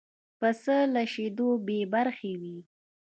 پسه له شیدو بې برخې وي.